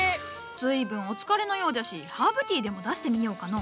ずいぶんお疲れのようじゃしハーブティーでも出してみようかの。